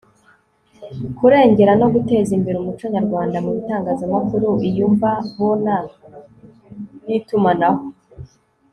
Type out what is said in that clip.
kurengera no guteza imbere umuco nyarwanda mu bitangazamakuru, iyumvabona n'itumanaho